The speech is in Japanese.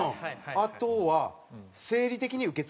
あとは。